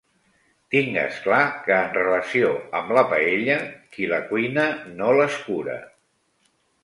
Tingues clar que, en relació amb la paella, qui la cuina no l’escura.